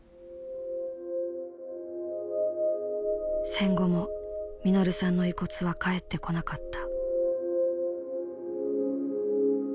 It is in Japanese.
戦後も實さんの遺骨は帰ってこなかった。